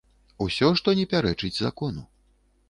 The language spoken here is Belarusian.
Усё, што не пярэчыць закону.